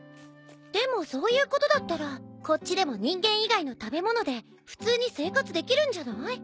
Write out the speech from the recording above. でもそういうことだったらこっちでも人間以外の食べ物で普通に生活できるんじゃない？